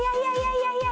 いやいや。